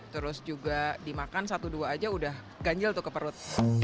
terus juga dimakan satu dua aja udah ganjil tuh ke perut